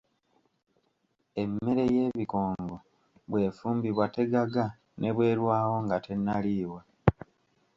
Emmere ye bikongo bwefumbibwa tegaga ne bwerwawo nga tennaliibwa.